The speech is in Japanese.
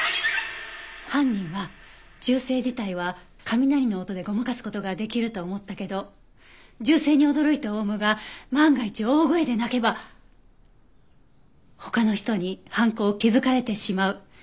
犯人は銃声自体は雷の音でごまかす事ができると思ったけど銃声に驚いたオウムが万が一大声で鳴けば他の人に犯行を気づかれてしまう。